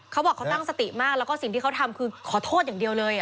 เขาบอกเขาตั้งสติมากแล้วก็สิ่งที่เขาทำคือขอโทษอย่างเดียวเลย